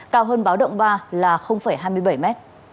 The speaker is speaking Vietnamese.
cao hơn báo động ba là hai mươi bảy m